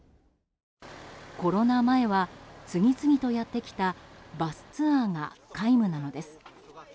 コロナ前は次々とやってきたバスツアーが皆無なのです。